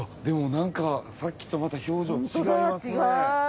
でもなんかさっきとまた表情違いますね。